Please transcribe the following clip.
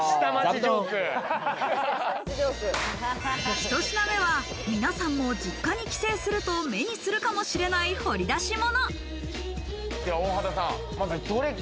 １品目は皆さんも実家に帰省すると目にするかもしれない掘り出し物。